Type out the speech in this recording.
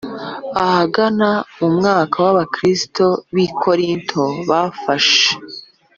Ahagana mu mwaka wa Abakristo b i Korinto bafashe